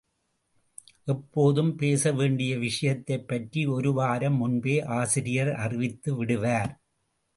எப்போதும் பேசவேண்டிய விஷயத்தைப் பற்றி ஒரு வாரம் முன்பே ஆசிரியர் அறிவித்து விடுவார்.